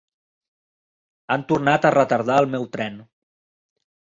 Han tornat a retardar el meu tren.